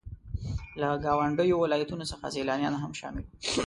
له ګاونډيو ولاياتو څخه سيلانيان هم شامل وو.